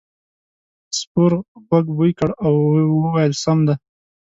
سپور غوږ بوی کړ او وویل سم دی.